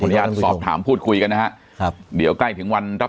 ญาณสอบถามพูดคุยกันนะฮะครับเดี๋ยวใกล้ถึงวันรับ